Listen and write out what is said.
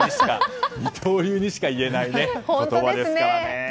二刀流にしか言えない言葉ですからね。